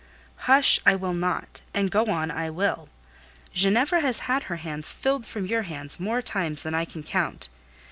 "Hush, I will not: and go on I will: Ginevra has had her hands filled from your hands more times than I can count.